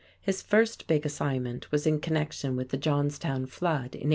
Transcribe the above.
His first big assignment was in connection with the Johnstown Flood in 1889.